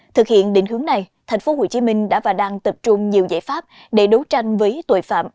thực hiện định hướng này thành phố hồ chí minh đã và đang tập trung nhiều giải pháp để đấu tranh với tội phạm